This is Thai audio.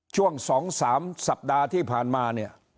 ช่วง๒๓สัปดาห์ที่ผ่านมาเนี่ย